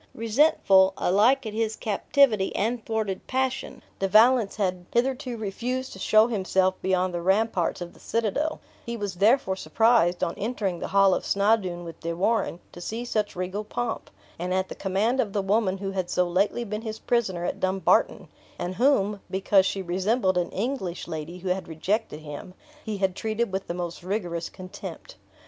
Resentful, alike at his captivity and thwarted passion, De Valence had hitherto refused to show himself beyond the ramparts of the citadel; he was therefore surprised, on entering the hall of Snawdoun with De Warenne, to see such regal pomp; and at the command of the woman who had so lately been his prisoner at Dumbarton, and whom (because she resembled an English lady who had rejected him) he had treated with the most rigorous contempt.